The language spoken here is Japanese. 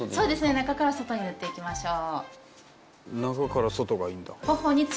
中から外に塗っていきましょう。